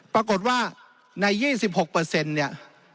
ปรากฏว่าใน๒๖เนี่ย